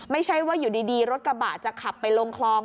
ไม่ใช่ว่าอยู่ดีรถกระบะจะขับไปลงคลอง